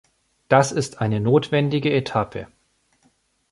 Das ist eine notwendige Etappe.